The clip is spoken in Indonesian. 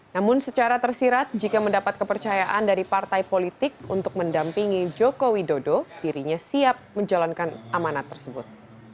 namun secara tersirat jika mendapat kepercayaan dari partai politik untuk mendampingi joko widodo dirinya siap menjalankan amanat tersebut